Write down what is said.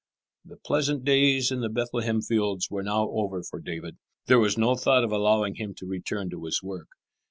The pleasant days in the Bethlehem fields were now over for David. There was no thought of allowing him to return to his work.